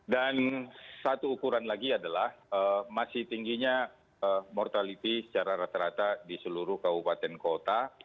dan satu ukuran lagi adalah masih tingginya mortality secara rata rata di seluruh kabupaten kota